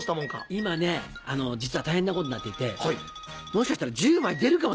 今ね実は大変なことになっていてもしかしたら１０枚出るかもしれないんです。